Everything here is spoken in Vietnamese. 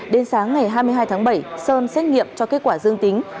đến sáng ngày hai mươi hai tháng bảy sơn xét nghiệm cho kết quả dương tính